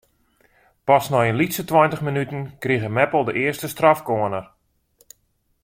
Pas nei in lytse tweintich minuten krige Meppel de earste strafkorner.